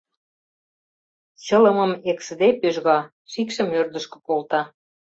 Чылымым эксыде пӧжга, шикшым ӧрдыжкӧ колта.